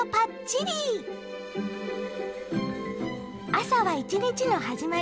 朝は一日の始まり。